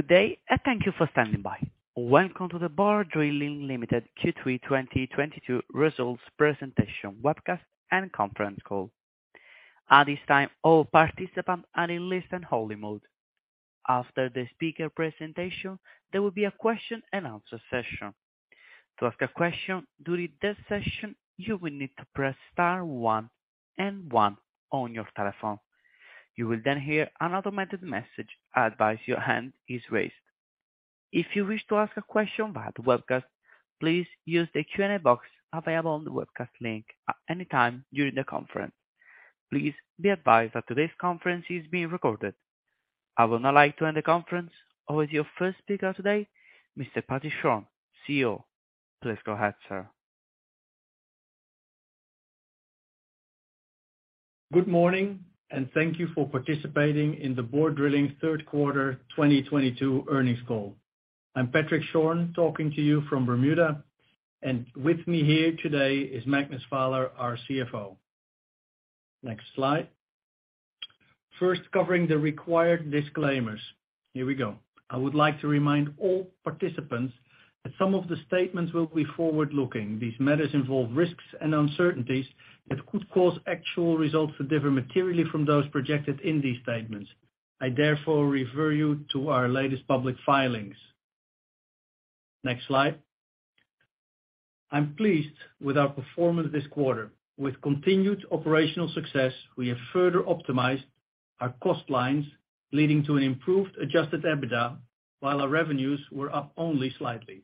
Good day and thank you for standing by. Welcome to the Borr Drilling Limited Q3 2022 Results Presentation Webcast and Conference Call. At this time, all participants are in listen-only mode. After the speaker presentation, there will be a question and answer session. To ask a question during the session, you will need to press star one and one on your telephone. You will then hear an automated message advise your hand is raised. If you wish to ask a question via the webcast, please use the Q&A box available on the webcast link at any time during the conference. Please be advised that today's conference is being recorded. I would now like to hand the conference over to your first speaker today, Mr. Patrick Schorn, CEO. Please go ahead, sir. Good morning, thank you for participating in the Borr Drilling Third Quarter 2022 Earnings Call. I'm Patrick Schorn talking to you from Bermuda, and with me here today is Magnus Vaaler, our CFO. Next slide. First, covering the required disclaimers. Here we go. I would like to remind all participants that some of the statements will be forward-looking. These matters involve risks and uncertainties that could cause actual results to differ materially from those projected in these statements. I therefore refer you to our latest public filings. Next slide. I'm pleased with our performance this quarter. With continued operational success, we have further optimized our cost lines, leading to an improved adjusted EBITDA, while our revenues were up only slightly.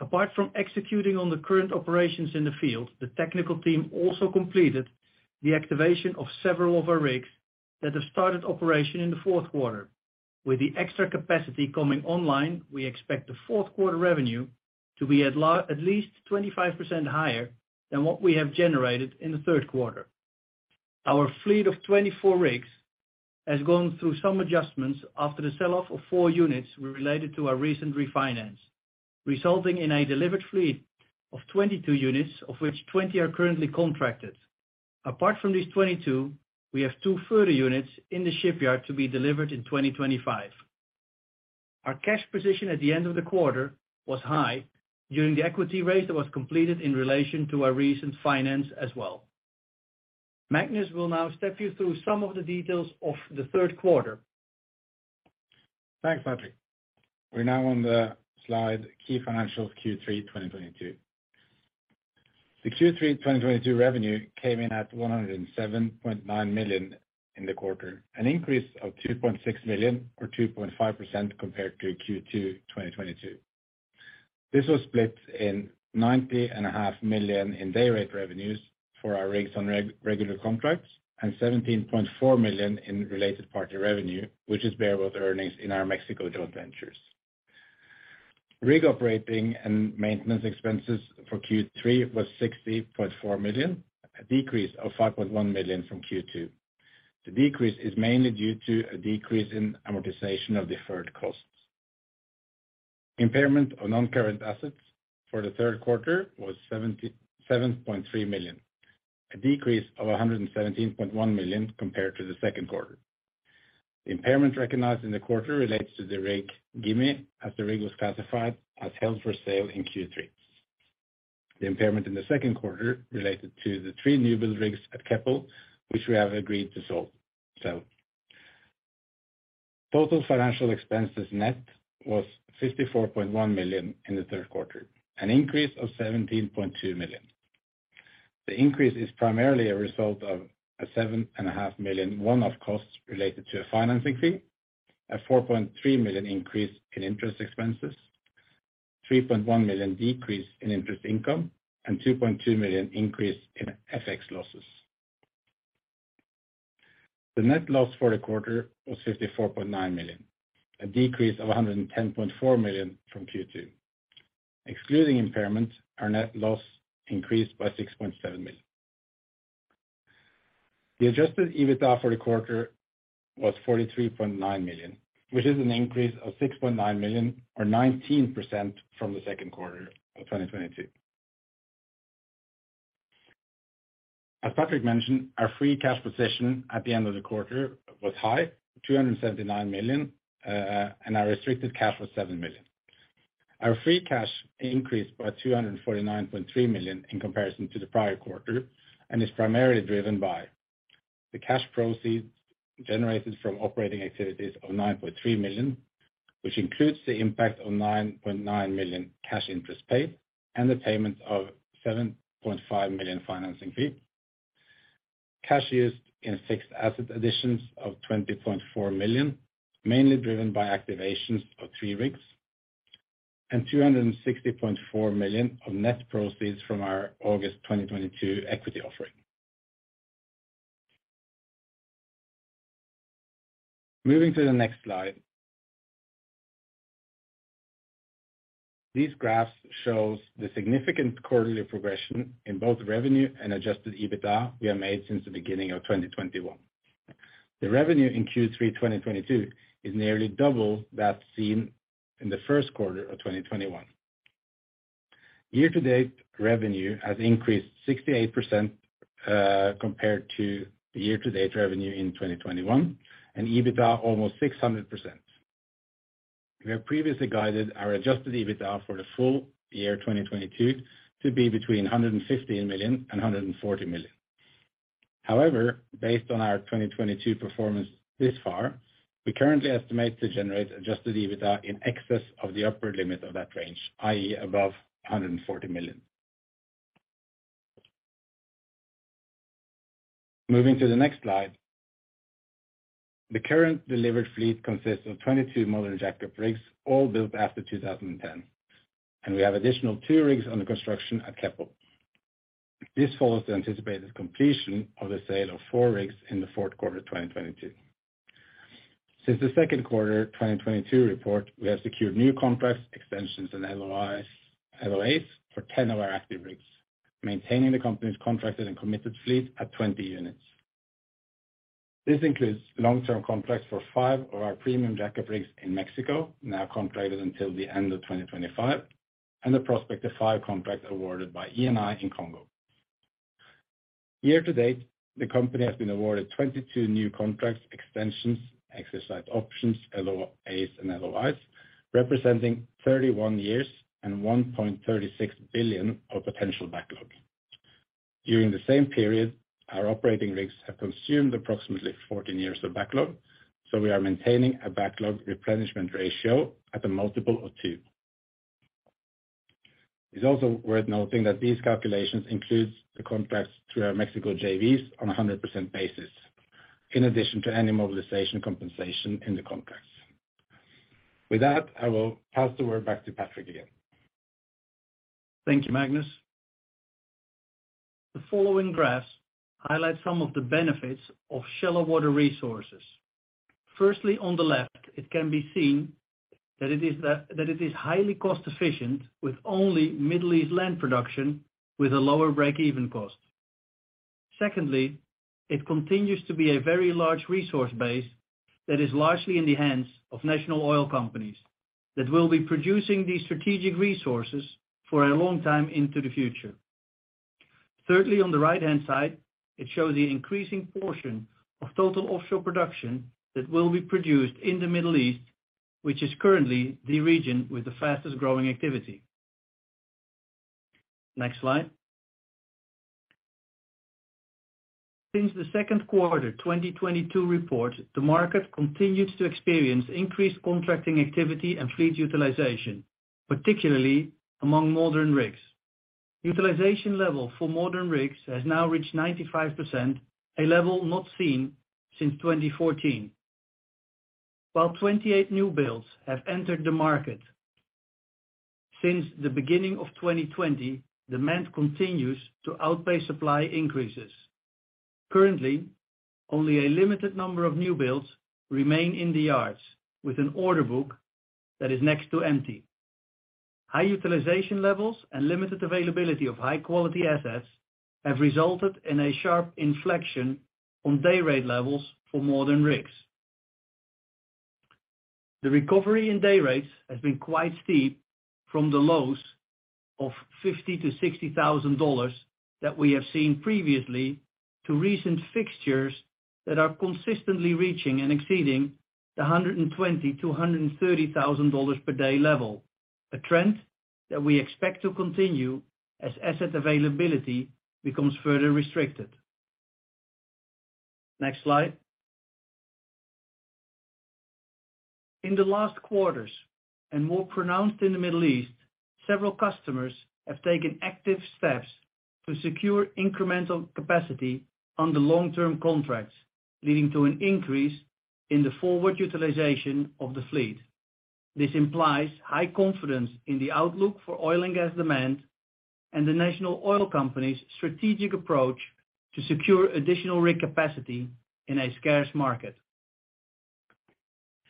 Apart from executing on the current operations in the field, the technical team also completed the activation of several of our rigs that have started operation in the fourth quarter. With the extra capacity coming online, we expect the fourth quarter revenue to be at least 25% higher than what we have generated in the third quarter. Our fleet of 24 rigs has gone through some adjustments after the sell-off of four units related to our recent refinance, resulting in a delivered fleet of 22 units, of which 20 are currently contracted. Apart from these 22, we have two further units in the shipyard to be delivered in 2025. Our cash position at the end of the quarter was high during the equity raise that was completed in relation to our recent finance as well. Magnus will now step you through some of the details of the third quarter. Thanks, Patrick. We're now on the slide Key Financials Q3 2022. The Q3 2022 revenue came in at $107.9 million in the quarter, an increase of $2.6 million or 2.5% compared to Q2 2022. This was split in $90.5 million in day rate revenues for our rigs on regular contracts and $17.4 million in related party revenue, which is bareboat earnings in our Mexico joint ventures. Rig operating and maintenance expenses for Q3 was $60.4 million, a decrease of $5.1 million from Q2. The decrease is mainly due to a decrease in amortization of deferred costs. Impairment of non-current assets for the third quarter was $77.3 million, a decrease of a $117.1 million compared to the second quarter. The impairment recognized in the quarter relates to the rig Gyme, as the rig was classified as held for sale in Q3. The impairment in the second quarter related to the three newbuild rigs at Keppel, which we have agreed to sell. Total financial expenses net was $54.1 million in the third quarter, an increase of $17.2 million. The increase is primarily a result of a $7.5 million one-off costs related to a financing fee, a $4.3 million increase in interest expenses, $3.1 million decrease in interest income, and $2.2 million increase in FX losses. The net loss for the quarter was $54.9 million, a decrease of $110.4 million from Q2. Excluding impairments, our net loss increased by $6.7 million. The adjusted EBITDA for the quarter was $43.9 million, which is an increase of $6.9 million or 19% from the second quarter of 2022. As Patrick mentioned, our free cash position at the end of the quarter was high, $279 million, and our restricted cash was $7 million. Our free cash increased by $249.3 million in comparison to the prior quarter and is primarily driven by the cash proceeds generated from operating activities of $9.3 million, which includes the impact of $9.9 million cash interest paid and the payment of $7.5 million financing fee, cash used in fixed asset additions of $20.4 million, mainly driven by activations of three rigs, and $260.4 million of net proceeds from our August 2022 equity offering. Moving to the next slide. These graphs shows the significant quarterly progression in both revenue and adjusted EBITDA we have made since the beginning of 2021. The revenue in Q3 2022 is nearly double that seen in the first quarter of 2021. Year-to-date revenue has increased 68% compared to the year-to-date revenue in 2021, and EBITDA almost 600%. We have previously guided our adjusted EBITDA for the full year 2022 to be between $115 million and $140 million. However, based on our 2022 performance this far, we currently estimate to generate adjusted EBITDA in excess of the upper limit of that range, i.e., above $140 million. Moving to the next slide. The current delivered fleet consists of 22 modern jackup rigs, all built after 2010, and we have additional two rigs under construction at Keppel. This follows the anticipated completion of the sale of four rigs in the fourth quarter 2022. Since the second quarter of 2022 report, we have secured new contracts, extensions and LOIs- LOAs for 10 of our active rigs, maintaining the company's contracted and committed fleet at 20 units. This includes long-term contracts for five of our premium jackup rigs in Mexico, now contracted until the end of 2025, and the prospect of five contracts awarded by Eni in Congo. Year-to-date, the company has been awarded 22 new contracts, extensions, exercise options, LOAs and LOIs, representing 31 years and $1.36 billion of potential backlog. During the same period, our operating rigs have consumed approximately 14 years of backlog, so we are maintaining a backlog replenishment ratio at a multiple of 2x. It's also worth noting that these calculations includes the contracts to our Mexico JVs on a 100% basis, in addition to any mobilization compensation in the contracts. With that, I will pass the word back to Patrick again. Thank you, Magnus. The following graphs highlight some of the benefits of shallow water resources. Firstly, on the left, it can be seen that it is highly cost efficient with only Middle East land production with a lower break-even cost. Secondly, it continues to be a very large resource base that is largely in the hands of national oil companies that will be producing these strategic resources for a long time into the future. Thirdly, on the right-hand side, it shows the increasing portion of total offshore production that will be produced in the Middle East, which is currently the region with the fastest-growing activity. Next slide. Since the second quarter of 2022 report, the market continues to experience increased contracting activity and fleet utilization, particularly among modern rigs. Utilization level for modern rigs has now reached 95%, a level not seen since 2014. While 28 newbuilds have entered the market, since the beginning of 2020, demand continues to outpace supply increases. Currently, only a limited number of newbuilds remain in the yards with an order book that is next to empty. High utilization levels and limited availability of high-quality assets have resulted in a sharp inflection on dayrate levels for modern rigs. The recovery in dayrates has been quite steep from the lows of $50,000-$60,000 that we have seen previously to recent fixtures that are consistently reaching and exceeding the $120,000-$130,000 per day level, a trend that we expect to continue as asset availability becomes further restricted. Next slide. In the last quarters, and more pronounced in the Middle East, several customers have taken active steps to secure incremental capacity on the long-term contracts, leading to an increase in the forward utilization of the fleet. This implies high confidence in the outlook for oil and gas demand and the National Oil Company's strategic approach to secure additional rig capacity in a scarce market.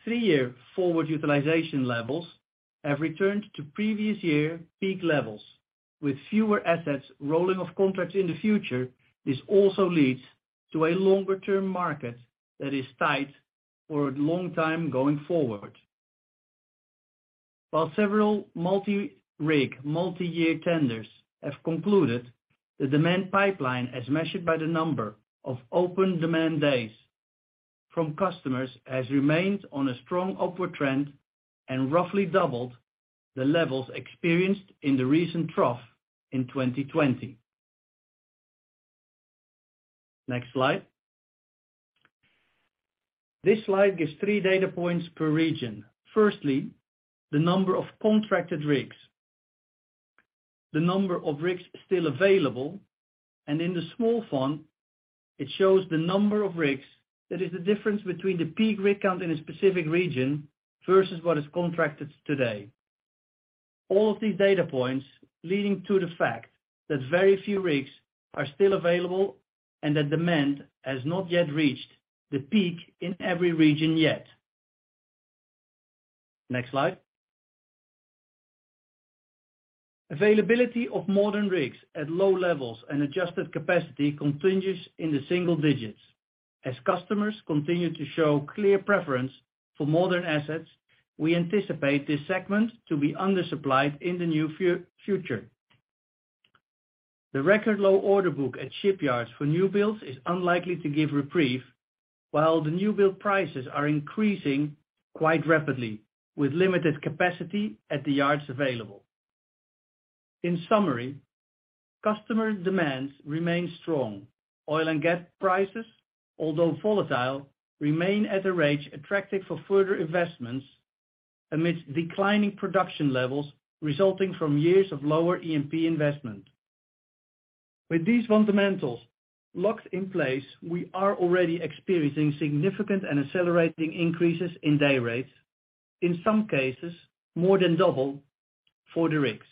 Three-year forward utilization levels have returned to previous year peak levels. With fewer assets rolling off contracts in the future, this also leads to a longer-term market that is tight for a long time going forward. While several multi-rig, multi-year tenders have concluded, the demand pipeline as measured by the number of open demand days from customers has remained on a strong upward trend and roughly doubled the levels experienced in the recent trough in 2020. Next slide. This slide gives three data points per region. Firstly, the number of contracted rigs, the number of rigs still available, and in the small font, it shows the number of rigs that is the difference between the peak rig count in a specific region versus what is contracted today. All of these data points leading to the fact that very few rigs are still available and that demand has not yet reached the peak in every region yet. Next slide. Availability of modern rigs at low levels and adjusted capacity continues in the single digits. As customers continue to show clear preference for modern assets, we anticipate this segment to be undersupplied in the near future. The record low order book at shipyards for newbuilds is unlikely to give reprieve, while the newbuild prices are increasing quite rapidly, with limited capacity at the yards available. In summary, customer demands remain strong. Oil and gas prices, although volatile, remain at a rate attractive for further investments amidst declining production levels resulting from years of lower E&P investment. With these fundamentals locked in place, we are already experiencing significant and accelerating increases in day rates, in some cases more than double for the rigs.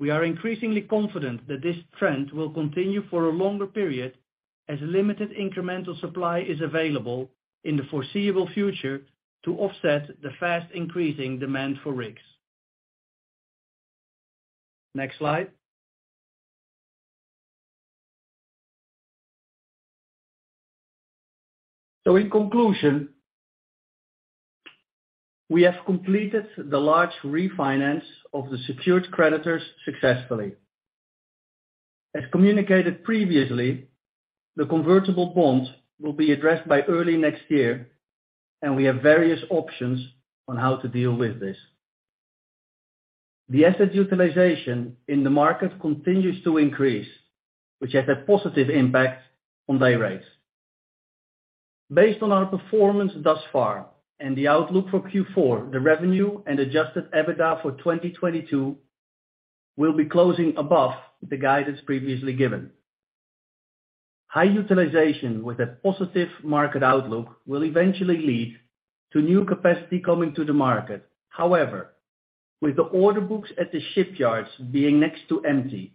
We are increasingly confident that this trend will continue for a longer period as limited incremental supply is available in the foreseeable future to offset the fast-increasing demand for rigs. Next slide. In conclusion, we have completed the large refinance of the secured creditors successfully. As communicated previously, the convertible bond will be addressed by early next year, and we have various options on how to deal with this. The asset utilization in the market continues to increase, which has a positive impact on day rates. Based on our performance thus far and the outlook for Q4, the revenue and adjusted EBITDA for 2022 will be closing above the guidance previously given. High utilization with a positive market outlook will eventually lead to new capacity coming to the market. However, with the order books at the shipyards being next to empty,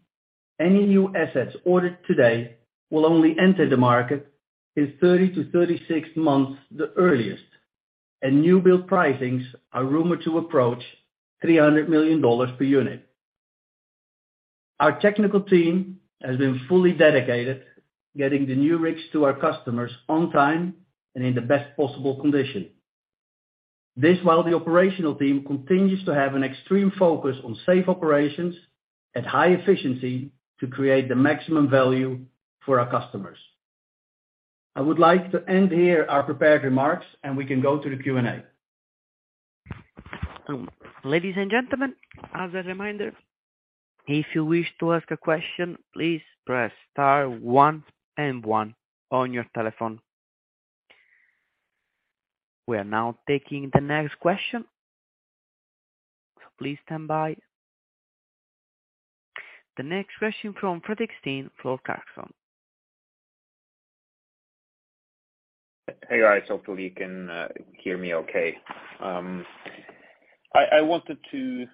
any new assets ordered today will only enter the market in 30-36 months the earliest, and newbuild pricings are rumored to approach $300 million per unit. Our technical team has been fully dedicated, getting the new rigs to our customers on time and in the best possible condition. This while the operational team continues to have an extreme focus on safe operations at high efficiency to create the maximum value for our customers. I would like to end here our prepared remarks, and we can go to the Q&A. Ladies and gentlemen, as a reminder, if you wish to ask a question, please press star one, and one on your telephone. We are now taking the next question. Please stand by. The next question from Fredrik Stene for Clarksons. Hey, guys. Hopefully you can hear me okay. I wanted to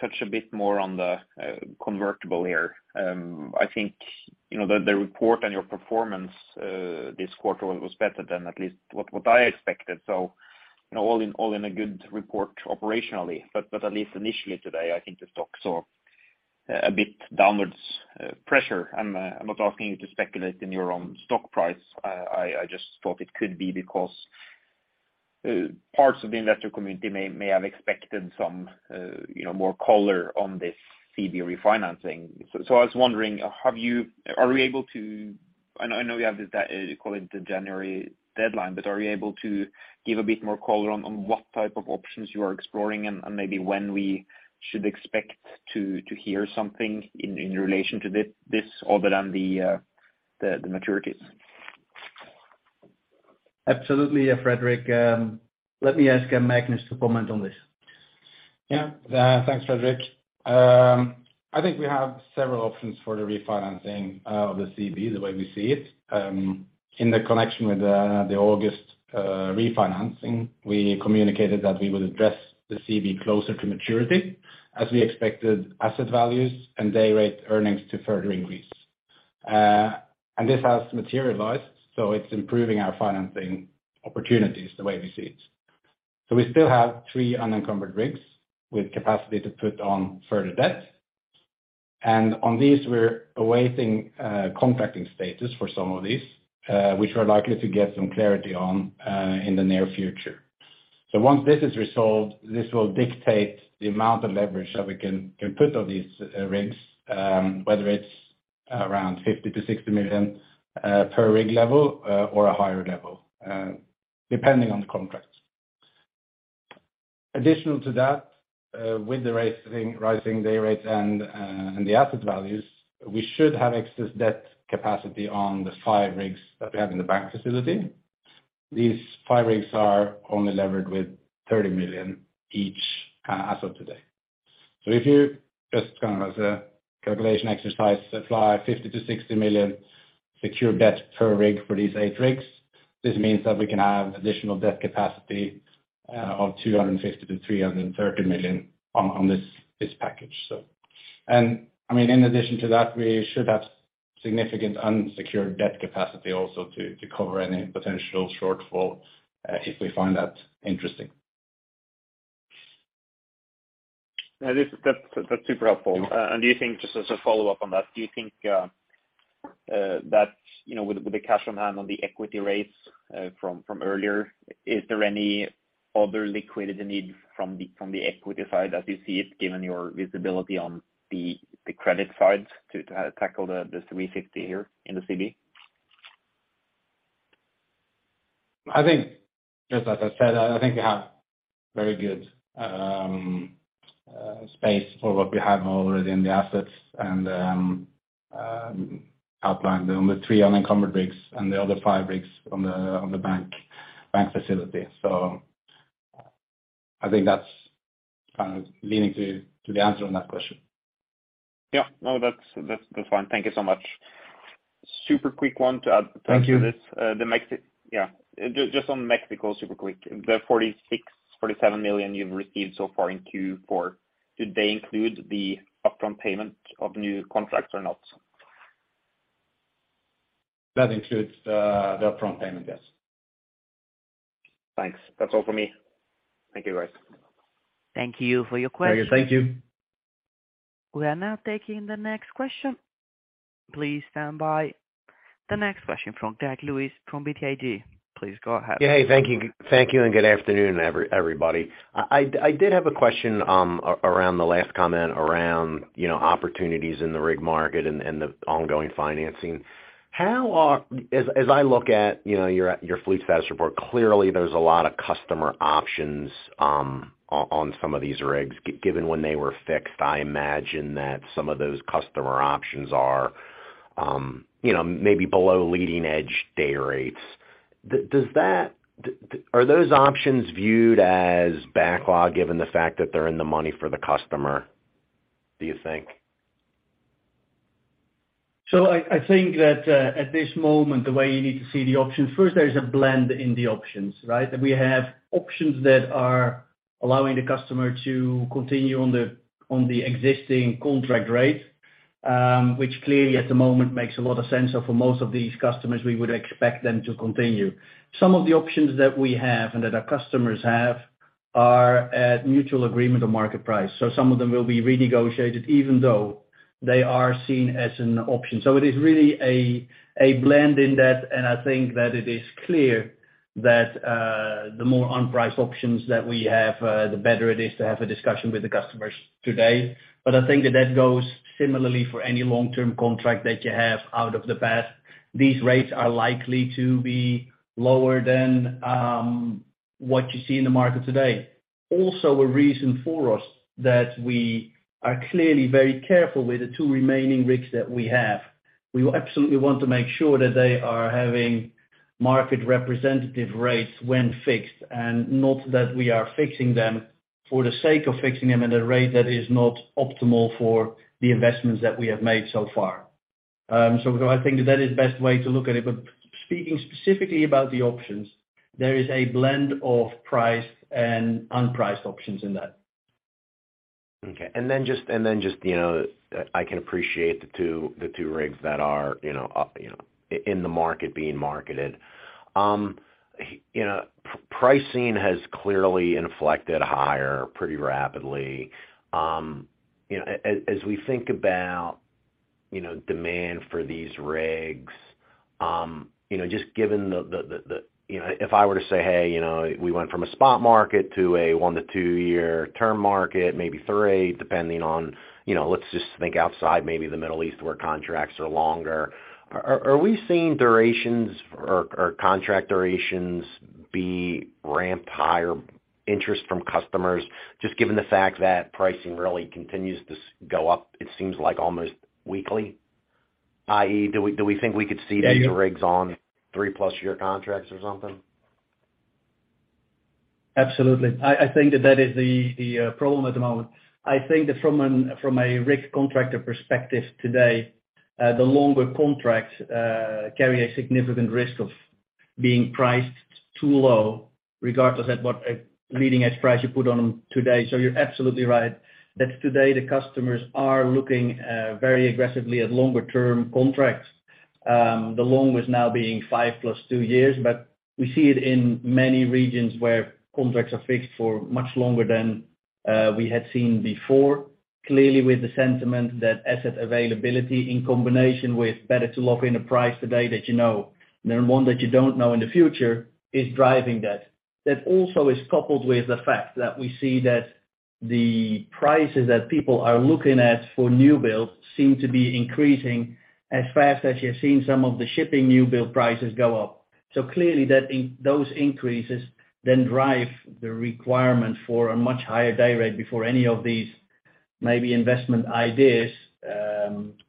touch a bit more on the convertible here. I think, you know, the report and your performance this quarter was better than at least what I expected. You know, all in a good report operationally. At least initially today, I think the stock saw a bit downwards pressure. I'm not asking you to speculate in your own stock price. I just thought it could be because parts of the investor community may have expected some, you know, more color on this CB refinancing. I was wondering, are we able to? I know you have the call it the January deadline, but are you able to give a bit more color on what type of options you are exploring and maybe when we should expect to hear something in relation to this other than the maturities? Absolutely, Fredrik. Let me ask Magnus to comment on this. Yeah. Thanks, Fredrik. I think we have several options for the refinancing of the CB, the way we see it. In the connection with the August refinancing, we communicated that we would address the CB closer to maturity as we expected asset values and day rate earnings to further increase. This has materialized, so it's improving our financing opportunities the way we see it. We still have three unencumbered rigs with capacity to put on further debt. On these, we're awaiting contracting status for some of these, which we're likely to get some clarity on in the near future. Once this is resolved, this will dictate the amount of leverage that we can put on these rigs, whether it's around $50 million-$60 million per rig level or a higher level, depending on the contracts. Additional to that, with the rising day rates and the asset values, we should have excess debt capacity on the five rigs that we have in the bank facility. These five rigs are only levered with $30 million each as of today. If you just kind of as a calculation exercise apply $50 million-$60 million secure debt per rig for these eight rigs, this means that we can have additional debt capacity of $250 million-$330 million on this package. I mean, in addition to that, we should have significant unsecured debt capacity also to cover any potential shortfall if we find that interesting. That's super helpful. Just as a follow-up on that, do you think that, you know, with the cash on hand on the equity raise from earlier, is there any other liquidity needs from the equity side as you see it, given your visibility on the credit side to tackle the $350 here in the CB? I think, just like I said, I think we have very good space for what we have already in the assets and outlined on the three unencumbered rigs and the other five rigs on the bank facility. I think that's kind of leading to the answer on that question. Yeah. No, that's fine. Thank you so much. Super quick one to add to this. Thank you. Yeah. Just on Mexico, super quick. The $46 million-$47 million you've received so far in Q4, do they include the upfront payment of new contracts or not? That includes the upfront payment, yes. Thanks. That's all for me. Thank you, guys. Thank you for your question. Thank you. We are now taking the next question. Please stand by. The next question from Greg Lewis from BTIG. Please go ahead. Yeah. Hey, thank you, and good afternoon, everybody. I did have a question around the last comment around, you know, opportunities in the rig market and the ongoing financing. As I look at, you know, your fleet status report, clearly there's a lot of customer options on some of these rigs. Given when they were fixed, I imagine that some of those customer options are, you know, maybe below leading-edge dayrates. Are those options viewed as backlog given the fact that they're in the money for the customer, do you think? I think that at this moment, the way you need to see the options, first, there is a blend in the options, right? That we have options that are allowing the customer to continue on the existing contract rate, which clearly at the moment makes a lot of sense. For most of these customers, we would expect them to continue. Some of the options that we have and that our customers have are at mutual agreement on market price. Some of them will be renegotiated even though they are seen as an option. It is really a blend in that, and I think that it is clear that the more unpriced options that we have, the better it is to have a discussion with the customers today. I think that goes similarly for any long-term contract that you have out of the past. These rates are likely to be lower than what you see in the market today. Also, a reason for us that we are clearly very careful with the two remaining rigs that we have. We absolutely want to make sure that they are having market representative rates when fixed, and not that we are fixing them for the sake of fixing them at a rate that is not optimal for the investments that we have made so far. I think that is best way to look at it. Speaking specifically about the options, there is a blend of priced and unpriced options in that. I can appreciate the two rigs that are, you know, up, you know, in the market being marketed. You know, pricing has clearly inflected higher pretty rapidly. You know, as we think about, you know, demand for these rigs, you know, if I were to say, Hey, you know, we went from a spot market to a one to two-year term market, maybe three, depending on, you know, let's just think outside maybe the Middle East where contracts are longer. Are we seeing durations or contract durations be ramped higher interest from customers just given the fact that pricing really continues to go up, it seems like almost weekly? I.e., do we think we could see these rigs on 3+ year contracts or something? Absolutely. I think that that is the problem at the moment. I think that from a rig contractor perspective today, the longer contracts carry a significant risk of being priced too low, regardless at what a leading-edge price you put on them today. You're absolutely right that today the customers are looking very aggressively at longer-term contracts. The long was now being 5+2 years. We see it in many regions where contracts are fixed for much longer than we had seen before. Clearly with the sentiment that asset availability in combination with better to lock in a price today that you know, than one that you don't know in the future, is driving that. That also is coupled with the fact that we see that the prices that people are looking at for newbuilds seem to be increasing as fast as you're seeing some of the shipping newbuild prices go up. Clearly those increases then drive the requirement for a much higher day rate before any of these maybe investment ideas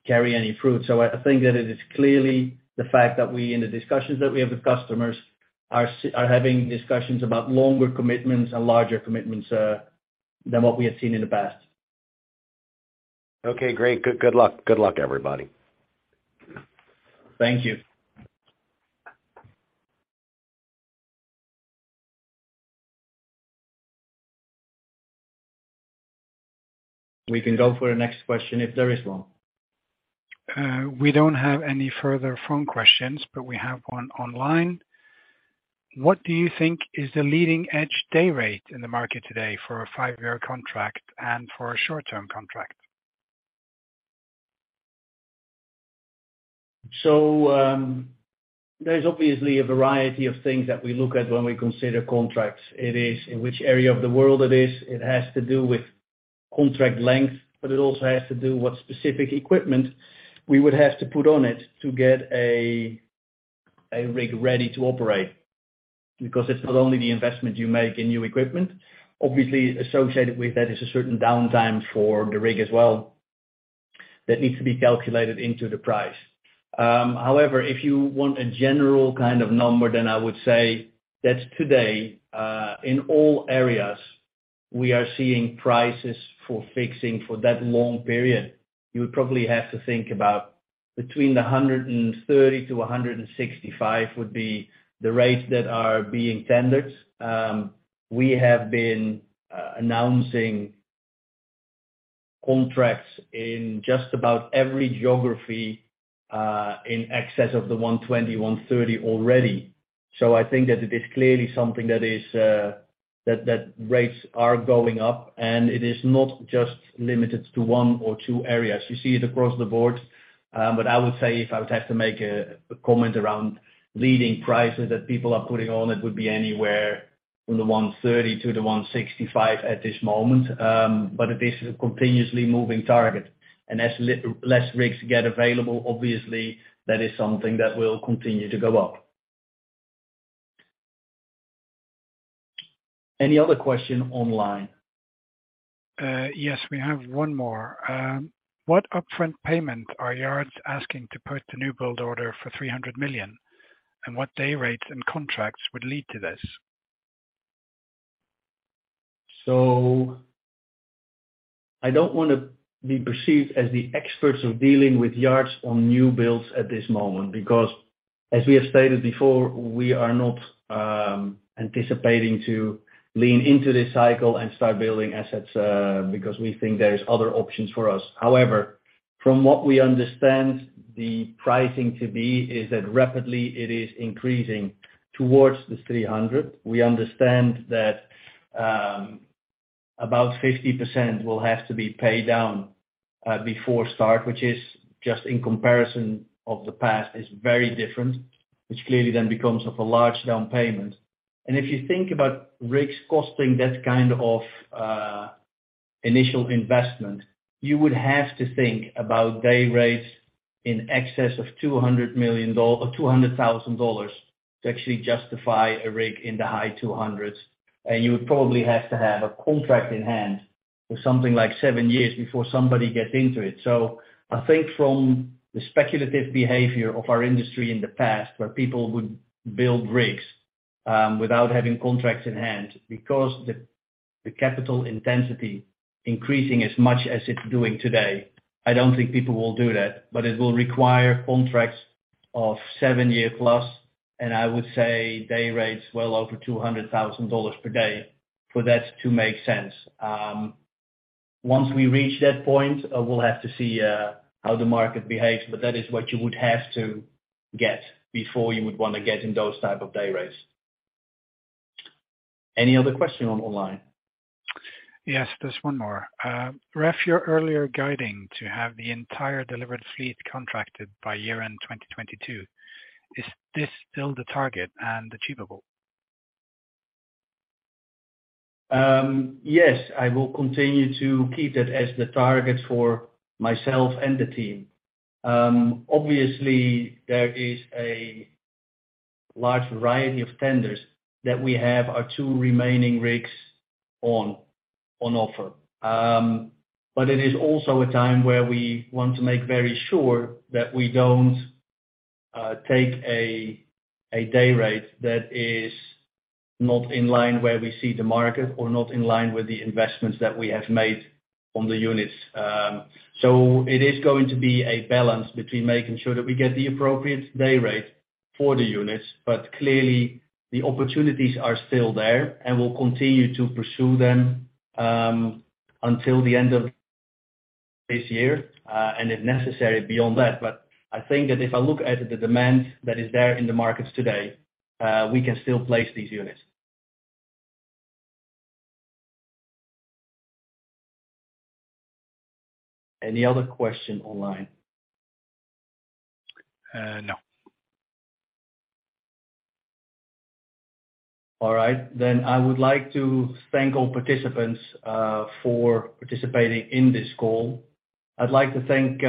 carry any fruit. I think that it is clearly the fact that we, in the discussions that we have with customers, are having discussions about longer commitments and larger commitments than what we had seen in the past. Okay, great. Good luck, everybody. Thank you. We can go for the next question if there is one. We don't have any further phone questions, but we have one online. What do you think is the leading-edge day rate in the market today for a five-year contract and for a short-term contract? There's obviously a variety of things that we look at when we consider contracts. It is in which area of the world it is. It has to do with contract length, but it also has to do what specific equipment we would have to put on it to get a rig ready to operate. Because it's not only the investment you make in new equipment. Obviously, associated with that is a certain downtime for the rig as well. That needs to be calculated into the price. However, if you want a general kind of number, then I would say that today, in all areas, we are seeing prices for fixing for that long period. You would probably have to think about between the $130-$165 would be the rates that are being tendered. We have been announcing contracts in just about every geography in excess of the $120, $130 already. I think that it is clearly something that is that rates are going up, and it is not just limited to one or two areas. You see it across the board. I would say if I would have to make a comment around leading prices that people are putting on, it would be anywhere from the $130-$165 at this moment. It is a continuously moving target. As less rigs get available, obviously, that is something that will continue to go up. Any other question online? Yes, we have one more. What upfront payment are yards asking to put the newbuild order for $300 million? What day rates and contracts would lead to this? I don't wanna be perceived as the experts of dealing with yards on newbuilds at this moment, because as we have stated before, we are not anticipating to lean into this cycle and start building assets, because we think there is other options for us. However, from what we understand the pricing to be is that rapidly it is increasing towards the 300. We understand that about 50% will have to be paid down before start, which is just in comparison of the past, is very different. Which clearly then becomes of a large down payment. If you think about rigs costing that kind of initial investment, you would have to think about day rates in excess of $200,000 to actually justify a rig in the high 200s. You would probably have to have a contract in hand for something like seven years before somebody gets into it. I think from the speculative behavior of our industry in the past, where people would build rigs without having contracts in hand, because the capital intensity increasing as much as it's doing today, I don't think people will do that, but it will require contracts of 7+ year, and I would say day rates well over $200 thousand per day for that to make sense. Once we reach that point, we'll have to see how the market behaves, but that is what you would have to get before you would wanna get in those type of day rates. Any other question online? Yes, there's one more. Ref your earlier guiding to have the entire delivered fleet contracted by year-end 2022. Is this still the target and achievable? Yes, I will continue to keep that as the target for myself and the team. Obviously, there is a large variety of tenders that we have our two remaining rigs on offer. It is also a time where we want to make very sure that we don't take a day rate that is not in line where we see the market or not in line with the investments that we have made on the units. It is going to be a balance between making sure that we get the appropriate day rate for the units, but clearly the opportunities are still there, and we'll continue to pursue them until the end of this year, and if necessary, beyond that. I think that if I look at the demand that is there in the markets today, we can still place these units. Any other question online? No. All right. I would like to thank all participants for participating in this call. I'd like to thank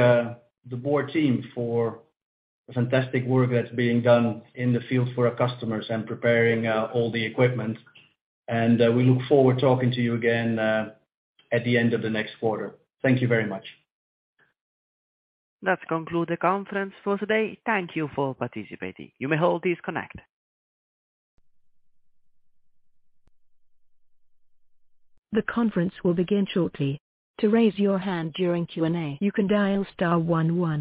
the Borr team for the fantastic work that's being done in the field for our customers and preparing all the equipment. We look forward talking to you again at the end of the next quarter. Thank you very much. That concludes the conference for today. Thank you for participating. You may all disconnect. The conference will begin shortly. To raise your hand during Q&A, you can dial star one one.